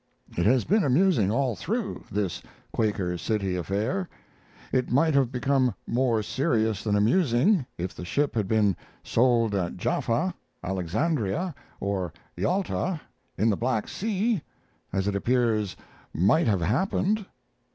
It has been amusing all through, this Quaker City affair. It might have become more serious than amusing if the ship had been sold at Jaffa, Alexandria, or Yalta, in the Black Sea, as it appears might have happened.